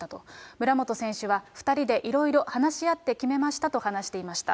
村元選手は２人でいろいろ話し合って決めましたと話していました。